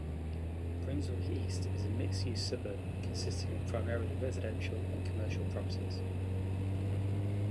Brunswick East is a mixed-use suburb, consisting of primarily residential and commercial properties.